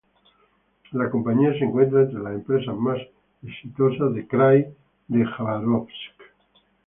La compañía se encuentra entre las empresas más exitosas del Krai de Jabárovsk.